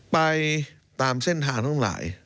ไปตามเส้นทางทั้งหลาย